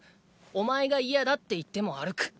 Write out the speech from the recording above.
お前が嫌だって言っても歩く。